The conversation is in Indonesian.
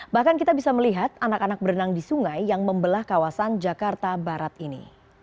bahkan kita bisa melihat anak anak berenang di sungai yang membelah kawasan jakarta barat ini